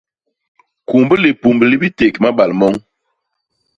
Kumb lipum li biték mabal moñ.